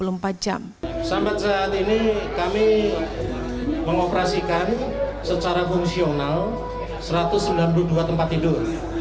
sampai saat ini kami mengoperasikan secara fungsional satu ratus sembilan puluh dua tempat tidur